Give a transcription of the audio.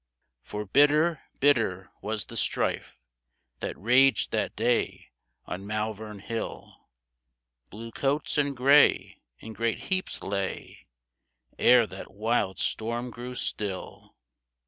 *'For bitter, bitter was the strife That raged that day on Malvern Hill ; Blue coats and gray in great heaps lay, Ere that wild storm grew still.